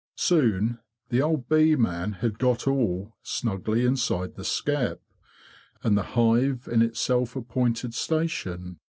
Soon the old bee man had got all snugly inside the skep, and the hive in its self appointed station.